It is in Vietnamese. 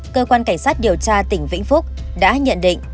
cơ quan cảnh sát điều tra tỉnh vĩnh phúc đã nhận định